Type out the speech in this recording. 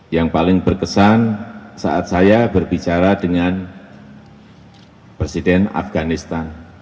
yang paling berkesan saat saya berbicara dengan presiden afganistan